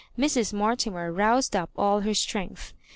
Mm Mortimer roused up all her strength.